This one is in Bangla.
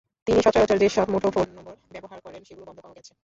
তিনি সচরাচর যেসব মুঠোফোন নম্বর ব্যবহার করেন, সেগুলো বন্ধ পাওয়া গেছে।